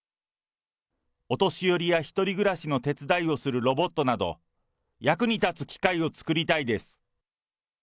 お年寄りや１人暮らしの手伝いをするロボットなど、役に立つ機械を作りたいです。